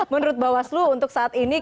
menurut bawaslu untuk saat ini